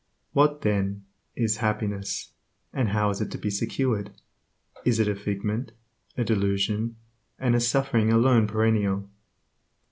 What, then, is happiness, and how is it to be secured? Is it a figment, a delusion, and is suffering alone perennial?